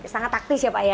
sangat taktis ya pak ya